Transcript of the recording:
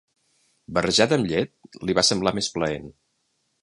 Barrejat amb llet li va semblar més plaent.